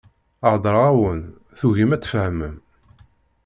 Heddreɣ-awen, tugim ad tfehmem.